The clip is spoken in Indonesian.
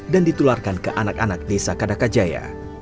dan ditularkan ke anak anak desa kadakajaya